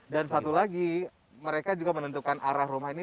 dan satu lagi mereka juga menentukan arah rumah ini